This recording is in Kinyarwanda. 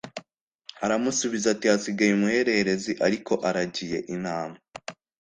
Aramusubiza ati “Hasigaye umuhererezi, ariko aragiye intama.”